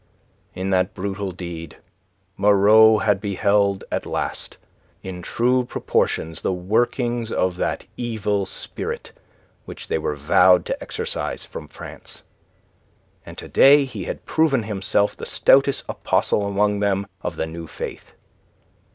In that brutal deed Moreau had beheld at last in true proportions the workings of that evil spirit which they were vowed to exorcise from France. And to day he had proven himself the stoutest apostle among them of the new faith.